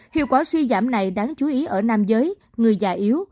hiệu quả suy giảm này đáng chú ý ở nam giới người già yếu